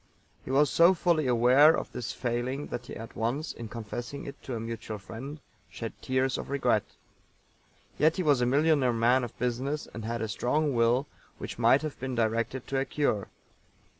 He was so fully aware of this failing that he at once, in confessing it to a mutual friend, shed tears of regret. Yet he was a millionaire man of business, and had a strong will which might have been directed to a cure.